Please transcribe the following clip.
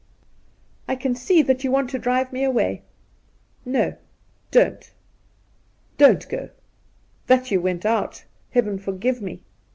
' I can see that you want to drive me away.' ' No, don't — don't go !" That you went out." Heaven forgive me